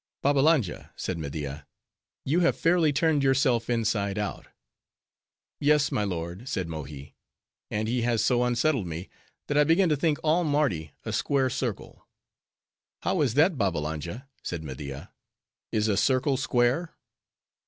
"Babbalanja," said Media, "you have fairly turned yourself inside out." "Yes, my lord," said Mohi, "and he has so unsettled me, that I begin to think all Mardi a square circle." "How is that, Babbalanja," said Media, "is a circle square?"